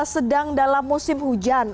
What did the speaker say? sedang dalam musim hujan